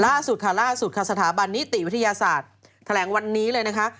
ล่าสุดค่ะล่าสุดค่ะสถาบันนิติวิทยาศาสตร์แถลงวันนี้เลยนะคะ